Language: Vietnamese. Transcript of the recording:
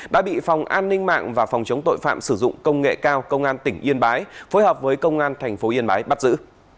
đã bị phòng an ninh mạng và phòng chống tội phạm sử dụng công nghệ cao công an tỉnh yên bái phối hợp với công an tp yên bái bắt giữ